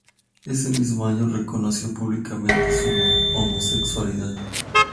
Ese mismo año reconoció públicamente su homosexualidad.